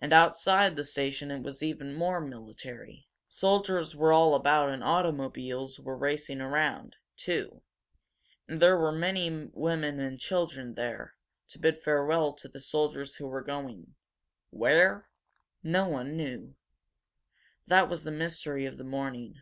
And outside the station it was even more military. Soldiers were all about and automobiles were racing around, too. And there were many women and children here, to bid farewell to the soldiers who were going where? No one knew. That was the mystery of the morning.